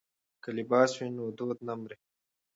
که لباس وي نو دود نه مري.